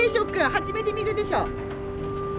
初めて見るでしょう。